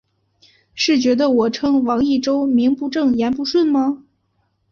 是觉得我称王益州名不正言不顺吗？